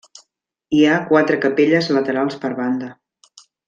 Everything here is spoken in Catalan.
Hi ha quatre capelles laterals per banda.